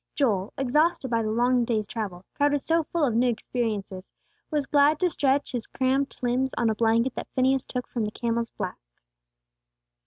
Joel, exhausted by the long day's travel, crowded so full of new experiences, was glad to stretch his cramped limbs on a blanket that Phineas took from the camel's back.